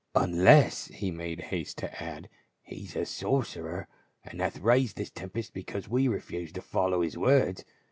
" Unless," he made haste to add, " he is a sorcerer, and hath raised this tempest because we refused to follow his words.